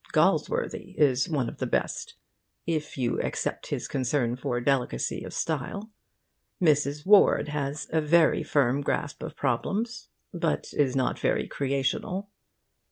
Galsworthy is one of the best, if you except his concern for delicacy of style. Mrs. Ward has a very firm grasp of problems, but is not very creational.